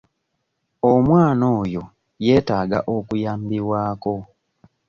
Omwana oyo yeetaaga okuyambibwako.